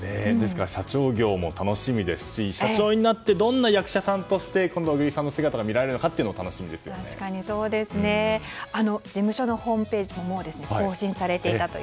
社長業も楽しみですし社長になってどんな役者さんとして今度は小栗さんの姿が見られるかも事務所のホームページはもう更新されていたと。